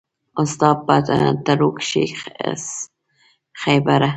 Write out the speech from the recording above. ستا په تړو کښې خېبره